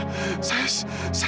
kamu baru saja mengalami kecelakaan